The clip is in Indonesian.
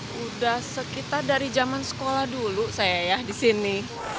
sudah sekitar dari zaman sekolah dulu saya ya di sini